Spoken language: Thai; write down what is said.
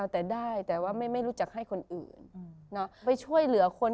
แต่ได้แต่ว่าไม่รู้จักให้คนอื่นไปช่วยเหลือคน